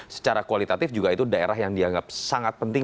secara kualitatif juga itu daerah yang dianggap sangat penting